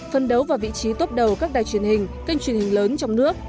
phân đấu vào vị trí tốt đầu các đài truyền hình kênh truyền hình lớn trong nước